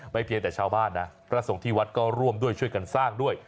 เพียงแต่ชาวบ้านนะพระสงฆ์ที่วัดก็ร่วมด้วยช่วยกันสร้างด้วย